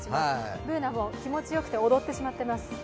Ｂｏｏｎａも気持ちよくて踊ってしまっています。